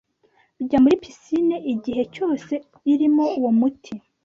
kujya muri 'piscine' igihe cyose irimo uwo muti